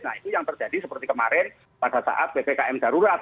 nah itu yang terjadi seperti kemarin pada saat ppkm darurat